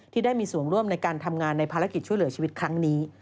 ได้มีส่วนร่วมในการทำงานในภารกิจช่วยเหลือชีวิตครั้งนี้